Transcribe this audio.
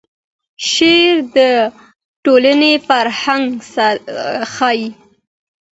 شعر د ټولنې فرهنګ ښیي.